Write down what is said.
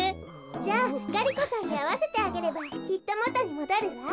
じゃあガリ子さんにあわせてあげればきっともとにもどるわ。